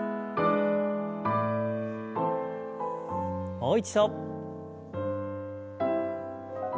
もう一度。